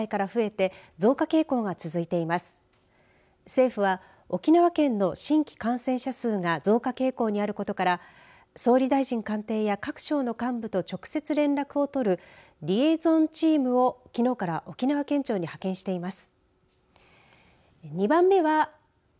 政府は、沖縄県の新規感染者数が増加傾向にあることから総理大臣官邸や各省の幹部と直接連絡を取るリエゾンチームをきのうから沖縄県庁に派遣しています。